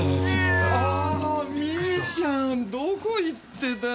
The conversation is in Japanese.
あーミーちゃんどこ行ってたの？